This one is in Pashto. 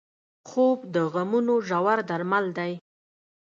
خوب د غمونو ژور درمل دی